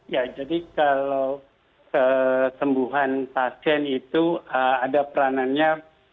ya jadi kalau kesembuhan pasien itu ada peranannya